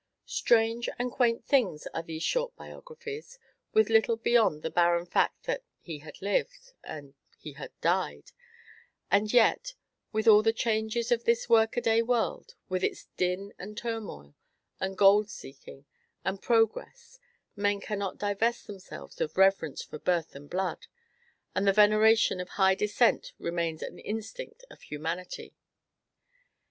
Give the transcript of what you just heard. Strange and quaint things are these short biographies, with little beyond the barren fact that "he had lived" and "he had died;" and yet, with all the changes of this work a day world, with its din, and turmoil, and gold seeking, and "progress," men cannot divest themselves of reverence for birth and blood, and the veneration for high descent remains an instinct of humanity.